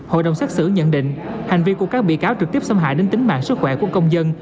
hội đồng xác xử nhận định hành vi của các bị cáo trực tiếp xâm hại đến tính mạng sức khỏe của công dân